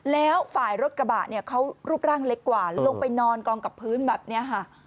แล้วฝ่ายรถกระบะเนี่ยเขารูปร่างเล็กกว่าลงไปนอนกองกับพื้นแบบนี้ค่ะ